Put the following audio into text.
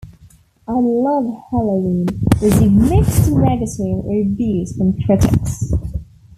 "I Luv Halloween" received mixed to negative reviews from critics.